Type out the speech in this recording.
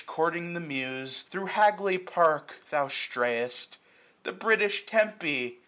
Courting the Muse, thro' Hagley Park thou strayest; The British Tempe !